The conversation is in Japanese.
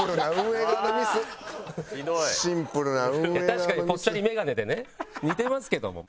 確かにぽっちゃり眼鏡でね似てますけども。